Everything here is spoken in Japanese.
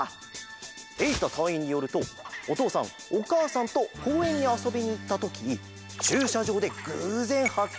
えいたたいいんによるとおとうさんおかあさんとこうえんにあそびにいったときちゅうしゃじょうでぐうぜんはっ